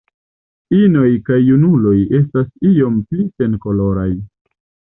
Inoj kaj junuloj estas iom pli senkoloraj.